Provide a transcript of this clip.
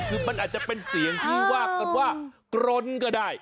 คือมันอาจเป็นเสียงที่ว่ากร้นก็ได้